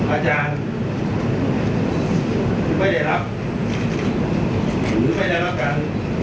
อาจารย์ไม่ได้รับหรือไม่ได้รับการ